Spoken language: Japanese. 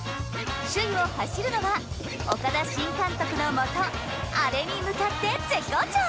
首位を走るのは岡田新監督のもと「アレ」に向かって絶好調！